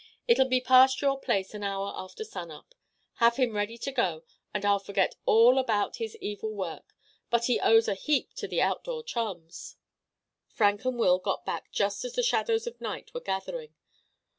It'll be past your place an hour after sun up. Have him ready to go. And I'll forget all about his evil work. But he owes a heap to the outdoor chums." Frank and Will got back just as the shadows of night were gathering.